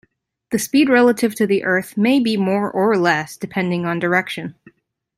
The speed relative to the earth may be more or less, depending on direction.